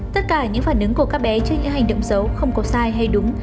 tất cả những phản ứng của các bé trước những hành động xấu không có sai hay đúng